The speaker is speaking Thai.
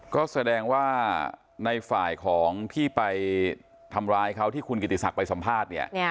ก็แสดงว่าในฝ่ายของที่ไปทำร้ายเขาที่คุณกิติศักดิ์ไปสัมภาษณ์เนี่ย